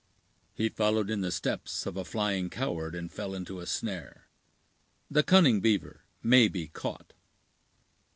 "He followed in the steps of a flying coward, and fell into a snare. The cunning beaver may be caught."